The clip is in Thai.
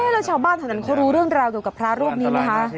แล้วชาวบ้านแถวนั้นเขารู้เรื่องราวเกี่ยวกับพระรูปนี้ไหมคะ